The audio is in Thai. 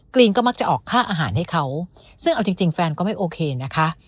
รีนก็มักจะออกค่าอาหารให้เขาซึ่งเอาจริงแฟนก็ไม่โอเคนะคะ